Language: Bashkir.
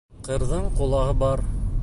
Ҡырҙың ҡолағы бар.